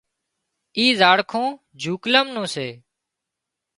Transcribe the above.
اِي زاڙکون جوڪلم نُون سي